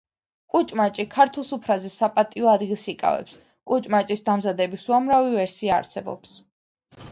კუჭმაჭი ქართულ სუფრაზე საპატიო ადგილს იკავებს. კუჭმაჭის დამზადების უამრავი ვერსია არსებობს